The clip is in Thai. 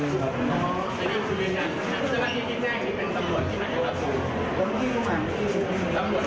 ยังไม่มีฝ่ายกล้องในมือครับแต่ว่าก็บอกว่ายังไม่มีฝ่ายกล้อง